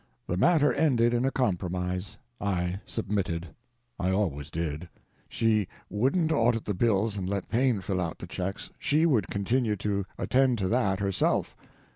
The matter ended in a compromise, I submitted. I always did. She wouldn't audit the bills and let Paine fill out the checks—she would continue to attend to that herself.